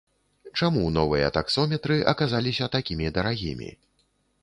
Чаму новыя таксометры аказаліся такімі дарагімі?